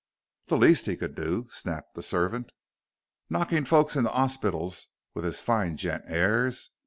"The least he could do," snapped the servant, "knocking folks into orspitals with his fine gent airs.